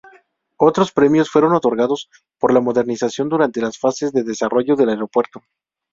Otros premios fueron otorgados por la modernización durante las fases de desarrollo del aeropuerto.